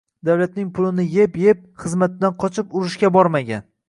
Davlatning pulini eb-eb, xizmatidan qochib, urushga bormagan